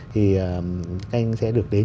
thì anh sẽ được đến